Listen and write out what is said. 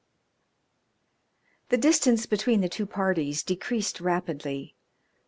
The distance between the two parties decreased rapidly.